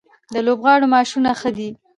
د لوبغاړو معاشونه ښه دي؟